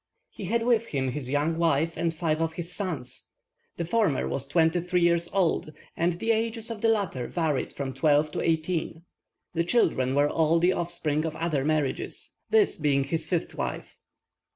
He had with him his young wife and five of his sons; the former was twenty three years old, and the ages of the latter varied from twelve to eighteen. The children were all the offspring of other marriages, this being his fifth wife.